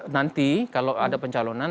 nanti kalau ada pencalonan